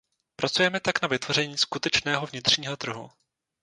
Pracujeme tak na vytvoření skutečného vnitřního trhu.